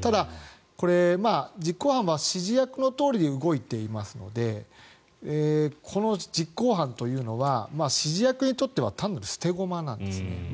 ただ、実行犯は指示役のとおりに動いていますのでこの実行犯というのは指示役にとっては単なる捨て駒なんですね。